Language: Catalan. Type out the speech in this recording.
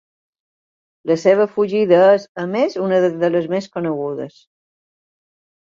La seva fugida és, a més, una de les més conegudes.